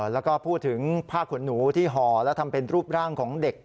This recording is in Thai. แล้วก็พูดถึงผ้าขนหนูที่ห่อและทำเป็นรูปร่างของเด็ก